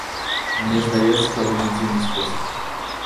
Мне здаецца, даволі дзіўны спосаб.